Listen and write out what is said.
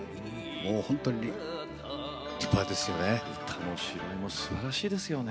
本当に立派ですよね。